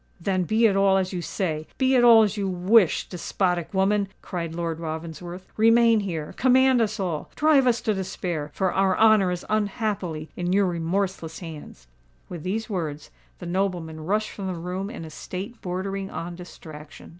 "Then be it all as you say—be it all as you wish, despotic woman!" cried Lord Ravensworth. "Remain here—command us all—drive us to despair—for our honour is unhappily in your remorseless hands." With these words, the nobleman rushed from the room in a state bordering on distraction.